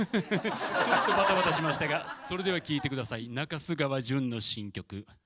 ちょっとばたばたしましたがそれでは聴いて下さい中州川純の新曲。